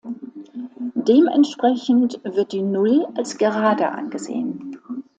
Dementsprechend wird die Null als gerade angesehen.